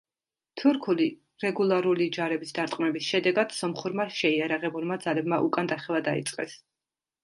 თურქული რეგულარული ჯარების დარტყმების შედეგად სომხურმა შეიარაღებულმა ძალებმა უკან დახევა დაიწყეს.